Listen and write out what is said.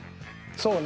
そうね。